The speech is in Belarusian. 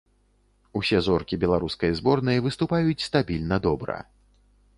Усе зоркі беларускай зборнай выступаюць стабільна добра.